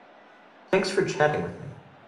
Thanks for chatting with me.